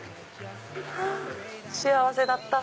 幸せだった。